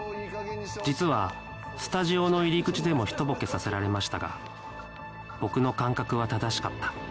実はスタジオの入り口でもひとボケさせられましたが僕の感覚は正しかった